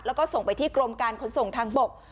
แล้วก็ส่งไปที่กรมการขนส่งทางบก